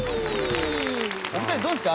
お二人どうですか？